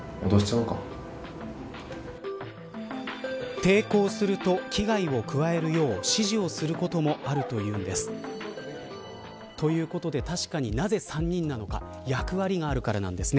抵抗すると危害を加えるよう指示をすることもあるというんです。ということで確かに、なぜ３人なのか役割があるからなんですね。